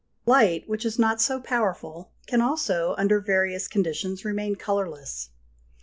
Light, which is not so powerful, can also, under various conditions, remain colourless.